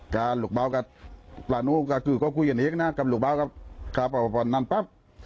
กะลูกบาวกะลานูกะคือก็คุยกันเองนะกับลูกบาวครับครับเอานั่นปั๊บ